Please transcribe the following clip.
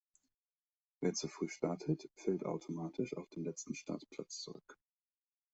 Wer zu früh startet, fällt automatisch auf den letzten Startplatz zurück.